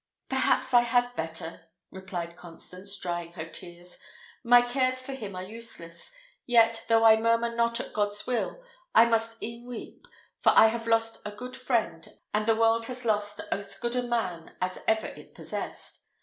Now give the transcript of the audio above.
"Perhaps I had better," replied Constance, drying her tears. "My cares for him are useless; yet, though I murmur not at God's will, I must e'en weep, for I have lost as good a friend, and the world has lost as good a man, as ever it possessed.